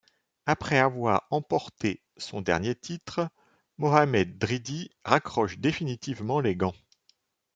Après avoir emporté son dernier titre, Mohamed Dridi raccroche définitivement les gants.